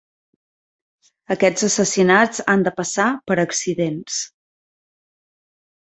Aquests assassinats han de passar per accidents.